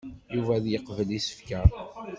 Yuba ad yeqbel isefka.